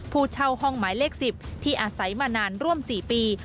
ผู้เช่าห้องหมายเลข๑๐ที่อาศัยมานานร่วม๔ปี